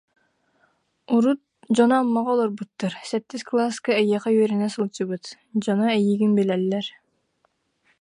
Урут, дьоно Аммаҕа олорбуттар, сэттис кылааска эйиэхэ үөрэнэ сылдьыбыт, дьоно эйигин билэллэр